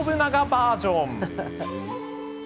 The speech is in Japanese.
バージョン。